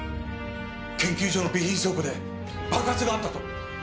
研究所の備品倉庫で爆発があったと。